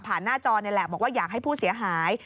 ผ่านหน้าจอในแล็ปบอกว่าอยากให้ผู้เสียหาย